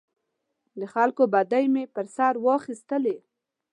د خلکو بدۍ مې پر سر واخیستلې.